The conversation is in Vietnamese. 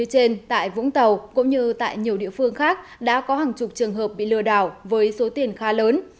trên tại vũng tàu cũng như tại nhiều địa phương khác đã có hàng chục trường hợp bị lừa đảo với số tiền khá lớn